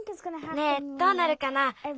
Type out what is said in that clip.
ねえどうなるかな？